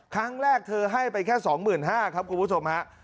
ครั้งแรกเธอให้ไปแค่๒๕๐๐บาทครับคุณผู้ชมฮะ